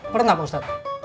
pernah pak ustadz